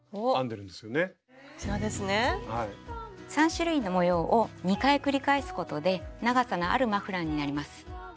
３種類の模様を２回繰り返すことで長さのあるマフラーになります。